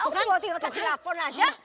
oke gue tinggal kasih telepon aja